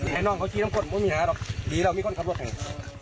แน่นอนเขาชี้ต้มก้นไม่มีหาหรอกดีแล้วมีคนขับรถแห่ง